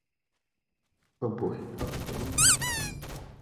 Gap analysis can identify gaps in the market.